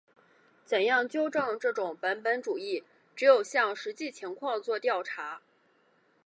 怎样纠正这种本本主义？只有向实际情况作调查。